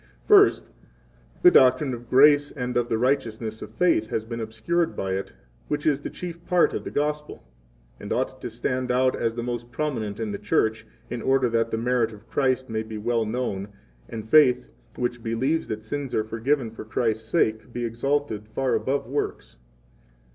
4 First, the doctrine of grace and of the righteousness of faith has been obscured by it, which is the chief part of the Gospel, and ought to stand out as the most prominent in the Church, in order that the merit of Christ may be well known, and faith, which believes that sins are forgiven for Christ's sake be exalted far above works.